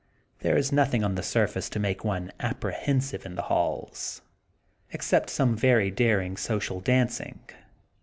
There is nothing on the surface to make one apprehensive in the halls, except some very daring social dancing.